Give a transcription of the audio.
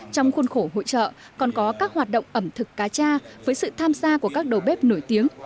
trong khuôn khổ hội trợ còn có các hoạt động ẩm thực cá cha với sự tham gia của các đầu bếp nổi tiếng